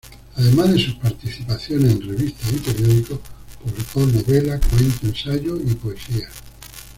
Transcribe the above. Además de sus participaciones en revistas y periódicos, publicó novela, cuento, ensayo y poesía.